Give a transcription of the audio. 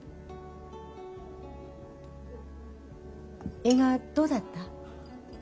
映画どうだった？